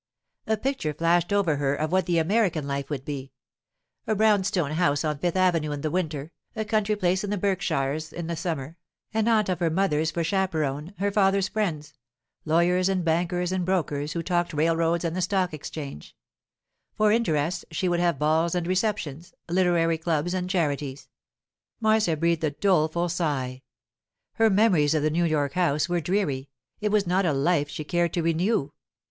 A picture flashed over her of what the American life would be—a brownstone house on Fifth Avenue in the winter, a country place in the Berkshires in the summer; an aunt of her mother's for chaperon, her father's friends—lawyers and bankers and brokers who talked railroads and the Stock Exchange; for interests she would have balls and receptions, literary clubs and charities. Marcia breathed a doleful sigh. Her memories of the New York house were dreary; it was not a life she cared to renew.